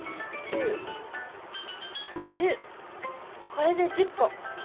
これで１０コ！